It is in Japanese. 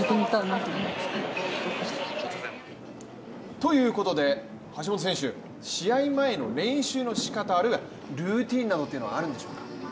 ということで、橋本選手試合前の練習のしかたあるいはルーティンなどはあるんでしょうか？